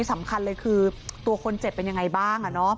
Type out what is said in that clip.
สำคัญเลยคือตัวคนเจ็บเป็นยังไงบ้าง